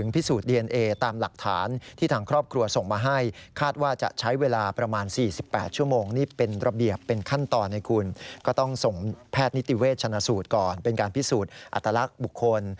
ก็ต้องส่งแพทย์นิติเวชชนะสูตรก่อนเป็นการพิสูจน์อัตลักษณ์บุคคล